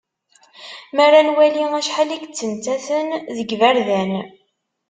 Mi ara nwali acḥal i yettmettaten deg yiberdan.